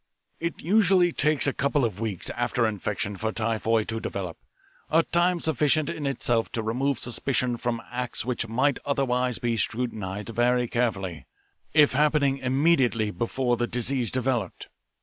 "It usually takes a couple of weeks after infection for typhoid to develop, a time sufficient in itself to remove suspicion from acts which might otherwise be scrutinised very carefully if happening immediately before the disease developed.